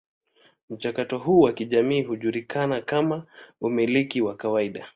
Mchakato huu wa kijamii hujulikana kama umiliki wa kawaida.